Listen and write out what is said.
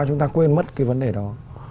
chúng ta quên mất cái vấn đề đó